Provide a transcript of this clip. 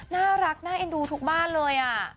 น่ารักน่าเอ็นดูทุกบ้านเลย